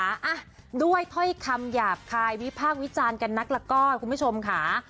อ่ะด้วยถ้อยคำหยาบคายวิพากษ์วิจารณ์กันนักละก้อนคุณผู้ชมค่ะ